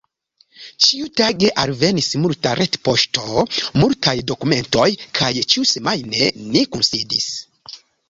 Ĉiutage alvenis multa retpoŝto, multaj dokumentoj, kaj ĉiusemajne ni kunsidis.